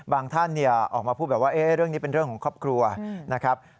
ท่านออกมาพูดแบบว่าเรื่องนี้เป็นเรื่องของครอบครัวนะครับ